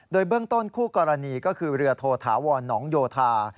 โดยเบื้องต้นคู่กรณีก็คือเรือโทธาวรหนองโยธา